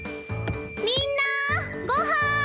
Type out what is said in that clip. みんなごはん！